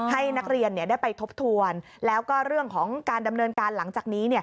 ให้นักเรียนได้ไปทบทวนแล้วก็เรื่องของการดำเนินการหลังจากนี้